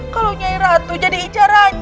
kalau nyai ratu jadi incarannya